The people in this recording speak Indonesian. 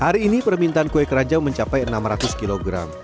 hari ini permintaan kue keranjang mencapai enam ratus kg